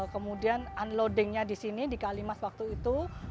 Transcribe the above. kemudian unloading nya di sini di kalimas waktu itu